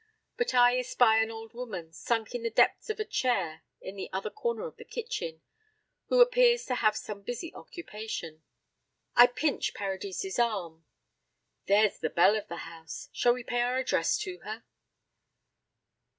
But I espy an old woman, sunk in the depths of a chair in the other corner of the kitchen, who appears to have some busy occupation. I pinch Paradis' arm. "There's the belle of the house. Shall we pay our addresses to her?"